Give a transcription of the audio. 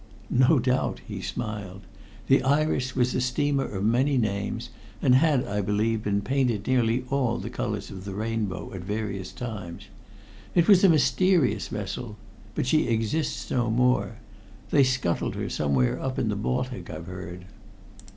"No doubt," he smiled. "The Iris was a steamer of many names, and had, I believe, been painted nearly all the colors of the rainbow at various times. It was a mysterious vessel, but she exists no more. They scuttled her somewhere up in the Baltic, I've heard."